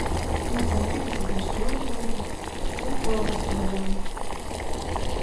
Не збаяліся дажджоў золкіх, вятроў раскілзаных.